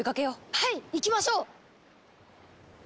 はい行きましょう！